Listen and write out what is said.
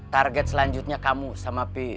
target selanjutnya kamu sama p